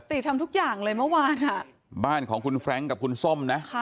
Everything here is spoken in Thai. ทำทุกอย่างเลยเมื่อวานอ่ะบ้านของคุณแฟรงค์กับคุณส้มนะค่ะ